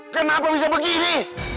kenapa bisa begini